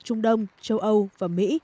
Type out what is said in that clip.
trung đông châu âu và mỹ